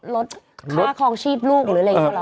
ลดค่าคลองชีพลูกหรืออะไรอย่างนี้หรอ